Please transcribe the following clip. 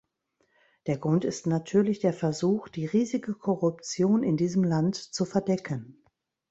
Der Grund ist natürlich der Versuch, die riesige Korruption in diesem Land zu verdecken.